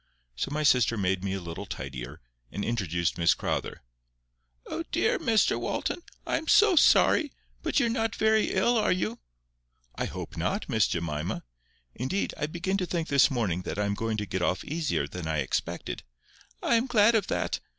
So my sister made me a little tidier, and introduced Miss Crowther. "O dear Mr Walton, I am SO sorry! But you're not very ill, are you?" "I hope not, Miss Jemima. Indeed, I begin to think this morning that I am going to get off easier than I expected." "I am glad of that.